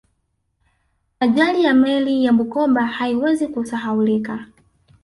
ajali ya meli ya bukoba haiwezi kusahaulika